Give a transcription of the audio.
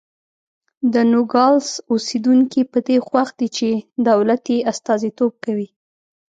د نوګالس اوسېدونکي په دې خوښ دي چې دولت یې استازیتوب کوي.